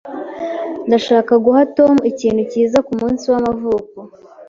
Ndashaka guha Tom ikintu cyiza kumunsi w'amavuko.